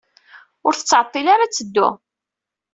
Ur tettɛeḍḍil ara ad teddu.